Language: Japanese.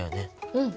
うん！